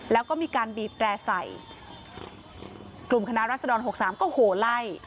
แล้วก็มีการบีบแตร่ใส่กลุ่มคณะรัศดรหกสามก็โหไล่